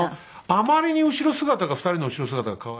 あまりに後ろ姿が２人の後ろ姿が可愛い。